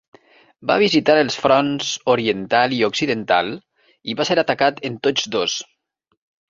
Va visitar els fronts oriental i occidental i va ser atacat en tots dos.